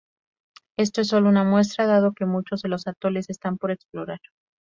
Esto es sólo una muestra dado que muchos de los atolones están por explorar.